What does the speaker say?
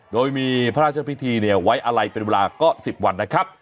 โดยมีพระราชพิธีไว้อะไรเป็นเวลาก็๑๐วันนะครับ